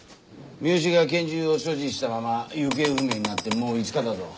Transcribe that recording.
三好が拳銃を所持したまま行方不明になってもう５日だぞ。